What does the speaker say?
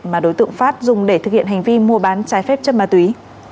mà đối tượng phát dùng để thực hiện hành vi mua bán trái phép chất ma túy